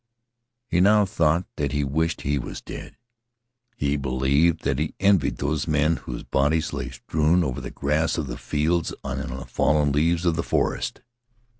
He now thought that he wished he was dead. He believed that he envied those men whose bodies lay strewn over the grass of the fields and on the fallen leaves of the forest.